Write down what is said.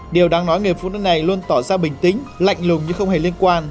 điều đáng nói người phụ nữ này luôn tỏ ra bình tĩnh lạnh lùng nhưng không hề liên quan